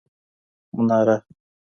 مناره